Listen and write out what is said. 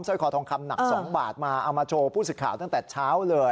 ร้อยคอทองคำหนัก๒บาทมาเอามาโชว์ผู้สื่อข่าวตั้งแต่เช้าเลย